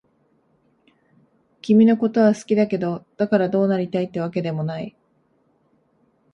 君のことは好きだけど、だからどうなりたいってわけでもない。